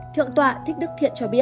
thượng tọa thích đức thiện nói